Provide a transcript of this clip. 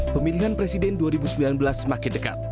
pemilihan presiden dua ribu sembilan belas semakin dekat